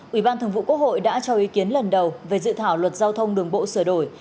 ủy ban thường vụ quốc hội đã cho ý kiến lần đầu về dự thảo luật giao thông đường bộ sửa đổi